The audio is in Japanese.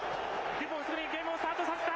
デュポンがゲームをスタートさせた。